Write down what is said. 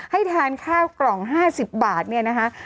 ให้ทานข้าวกล่อง๕๐บาทเนี่ยนะคะ